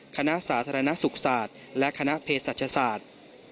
สาธารณสุขศาสตร์และคณะเพศศาสตร์